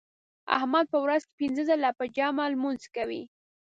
احمد په ورځ کې پینځه ځله په جمع لمونځ کوي.